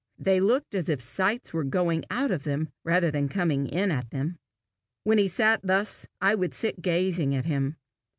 They looked as if sights were going out of them rather than coming in at them. When he sat thus, I would sit gazing at him.